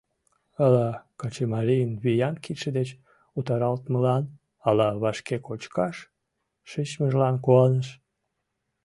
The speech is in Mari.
Ала качымарийын виян кидше деч утаралтмылан, ала вашке кочкаш шичмыжлан куаныш.